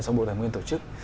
sau bộ tài nguyên tổ chức